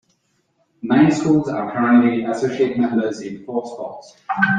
Nine schools are currently Associate members in four sports.